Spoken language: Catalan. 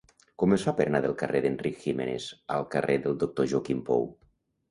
Com es fa per anar del carrer d'Enric Giménez al carrer del Doctor Joaquim Pou?